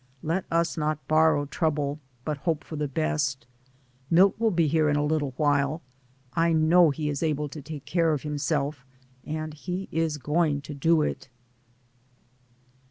Let us not borrow trouble, but hope for the best. Milt will be here in a little while. I 202 DAYS ON THE ROAD. know he is able to take care of himself, and he is going to do it."